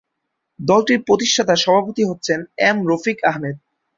দলটির প্রতিষ্ঠাতা সভাপতি হচ্ছেন এম রফিক আহমেদ।